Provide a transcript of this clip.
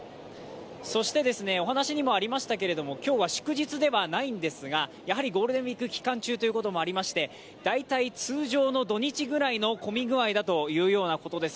そして、お話にもありましたけれども、今日は祝日ではないんですがやはりゴールデンウイーク期間中ということもありまして、大体、通常の土日ぐらいの混み具合だというところです。